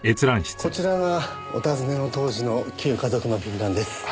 こちらがお尋ねの当時の旧華族の便覧です。